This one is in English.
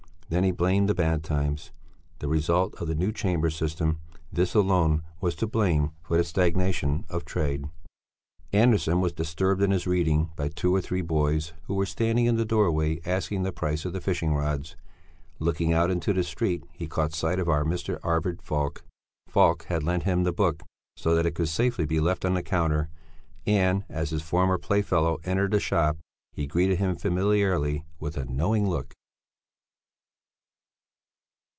Then he blamed the bad times, the result of the new chamber system; this alone was to blame for the stagnation of trade. Andersson was disturbed in his reading by two or three boys who were standing in the doorway, asking the price of the fishing rods. Looking out into the street he caught sight of our Mr. Arvid Falk. Falk had lent him the book, so that it could safely be left on the counter; and as his former playfellow entered the shop, he greeted him familiarly, with a knowing look.